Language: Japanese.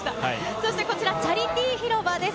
そしてこちら、チャリティー広場です。